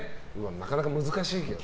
なかなか難しいけどな。